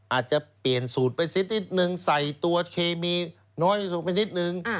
อาจจะเปลี่ยนสูตรไปซินิดนึงใส่ตัวเคมีน้อยที่สุดไปนิดนึง